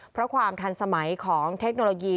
เพราะความทันสมัยของเทคโนโลยี